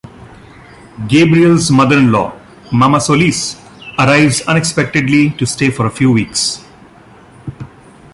Gabrielle's mother in law, Mama Solis arrives unexpectedly to stay for a few weeks.